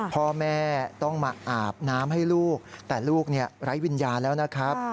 พ่อแม่ต้องมาอาบน้ำให้ลูกแต่ลูกไร้วิญญาณแล้วนะครับ